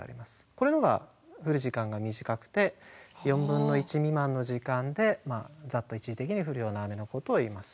これの方が降る時間が短くて４分の１未満の時間でざっと一時的に降るような雨のことをいいます。